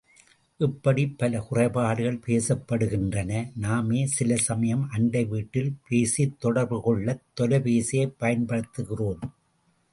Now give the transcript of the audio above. இப்படிப் பல குறைபாடுகள் பேசப்படுகின்றன, நாமே சில சமயம் அண்டை வீட்டில் பேசித் தொடர்பு கொள்ளத் தொலைபேசியைப் பயன்படுத்துகிறோம்.